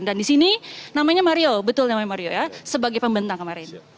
dan disini namanya mario betul namanya mario ya sebagai pembentang kemarin